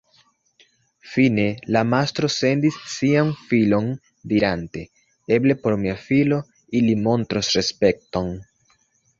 Fine la mastro sendis sian filon dirante: ‘Eble por mia filo ili montros respekton’.